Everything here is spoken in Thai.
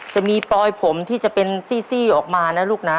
จะมีปลอยผมที่จะเป็นซี่ออกมานะลูกนะ